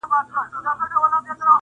زه درڅخه ځمه ته اوږدې شپې زنګوه ورته٫